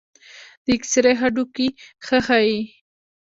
د ایکسرې هډوکي ښه ښيي.